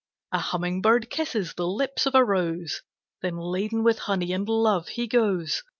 A humming bird kisses the lips of a rose Then laden with honey and love he goes.